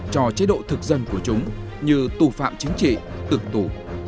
cho chế độ thực dân của chúng như tù phạm chính trị tử tù